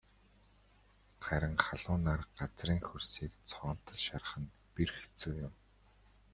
Харин халуун нар газрын хөрсийг цоонотол шарах нь бэрх хэцүү юм.